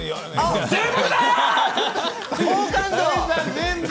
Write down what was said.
全部！